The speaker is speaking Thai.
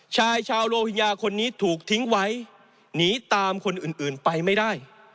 ชายชาวโลหิงญาคนนี้ถูกทิ้งไว้หนีตามคนอื่นไปไม่ได้